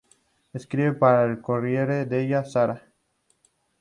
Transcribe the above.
Escribe para el "Corriere della Sera".